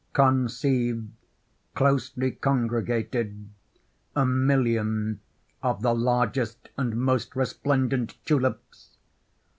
Conceive, closely congregated, a million of the largest and most resplendent tulips!